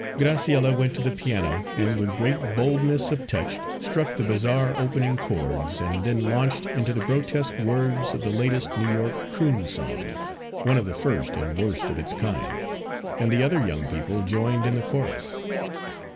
Graciella went to the piano and with great boldness of touch struck the bizarre opening chords and then launched into the grotesque words of the latest New York "coon song," one of the first and worst of its kind, and the other young people joined in the chorus.